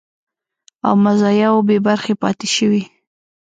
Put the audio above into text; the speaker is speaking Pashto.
او مزایاوو بې برخې پاتې شوي